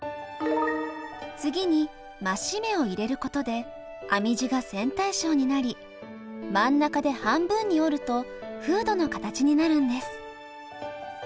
次に「増し目」を入れることで編み地が線対称になり真ん中で半分に折るとフードの形になるんです。